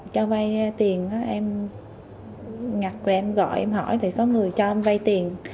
cho vay tiền em nhặt rồi em gọi em hỏi thì có người cho em vay tiền